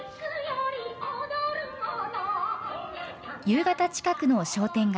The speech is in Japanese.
夕方近くの商店街。